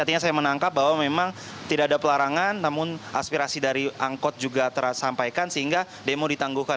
artinya saya menangkap bahwa memang tidak ada pelarangan namun aspirasi dari angkot juga tersampaikan sehingga demo ditangguhkan